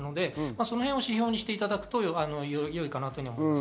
それを指標にしていただくとよいと思います。